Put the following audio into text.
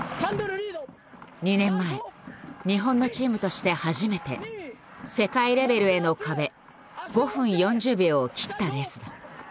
２年前日本のチームとして初めて世界レベルへの壁５分４０秒を切ったレースだ。